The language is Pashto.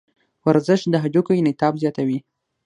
ورزش د هډوکو انعطاف زیاتوي.